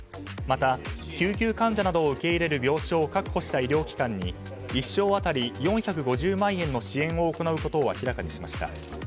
また救急患者などを受け入れる病床を確保した医療機関に１床当たり４５０万円の支援を行うことを明らかにしました。